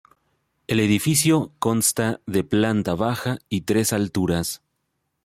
El edificio consta de planta baja y tres alturas.